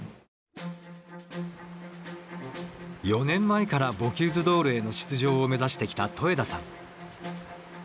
４年前からボキューズ・ドールへの出場を目指してきた戸枝さん。